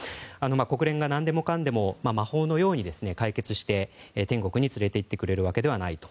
国連が何でもかんでも魔法のように解決して天国に連れていってくれるわけではないと。